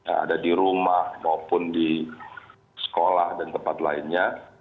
ada di rumah maupun di sekolah dan tempat lainnya